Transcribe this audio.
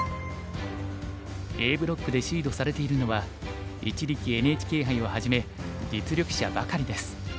Ａブロックでシードされているのは一力ＮＨＫ杯をはじめ実力者ばかりです。